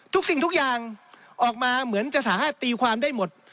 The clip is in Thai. สิ่งทุกอย่างออกมาเหมือนจะสามารถตีความได้หมด